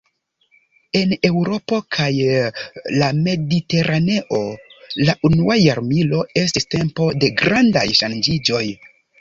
En Eŭropo kaj la Mediteraneo, la unua jarmilo estis tempo de grandaj ŝanĝiĝoj.